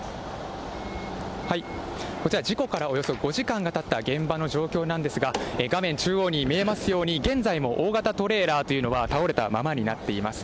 こちら、事故からおよそ５時間がたった現場の状況なんですが、画面中央に見えますように、現在も大型トレーラーというのは倒れたままになっています。